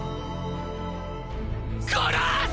殺す！！